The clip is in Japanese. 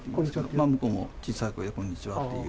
向こうも小さい声でこんにちはっていう。